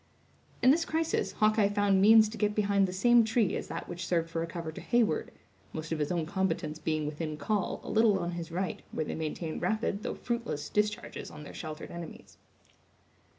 In this crisis, Hawkeye found means to get behind the same tree as that which served for a cover to Heyward; most of his own combatants being within call, a little on his right, where they maintained rapid, though fruitless, discharges on their sheltered enemies.